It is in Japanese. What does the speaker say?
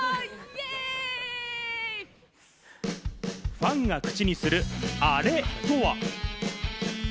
ファンが口にする、アレとは？